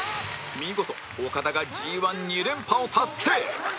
見事オカダが Ｇ１２ 連覇を達成！